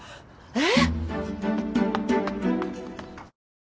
えっ！